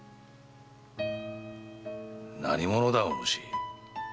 何者だお主？